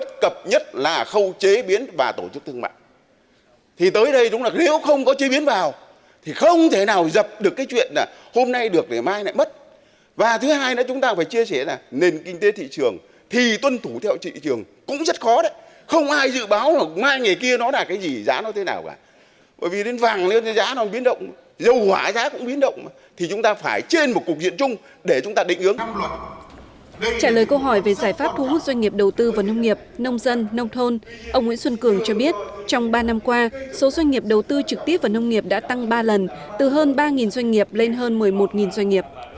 trả lời câu hỏi về giải pháp thu hút doanh nghiệp đầu tư và nông nghiệp nông dân nông thôn ông nguyễn xuân cường cho biết trong ba năm qua số doanh nghiệp đầu tư trực tiếp và nông nghiệp đã tăng ba lần từ hơn ba doanh nghiệp lên ba lần